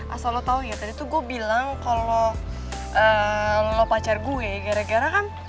asal lo tau ya tadi tuh gue bilang kalau lo pacar gue gara gara kan